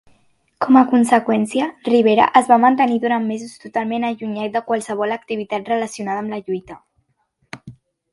Com a conseqüència, Rivera es va mantenir durant mesos totalment allunyat de qualsevol activitat relacionada amb la lluita.